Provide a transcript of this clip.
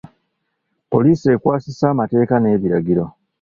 Poliisi ekwasisa amateeka n'ebiragiro.